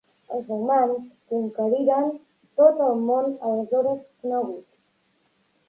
Els romans conqueriren tot el món aleshores conegut.